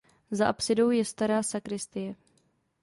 Za apsidou je stará sakristie.